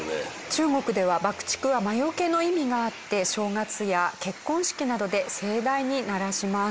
中国では爆竹は魔よけの意味があって正月や結婚式などで盛大に鳴らします。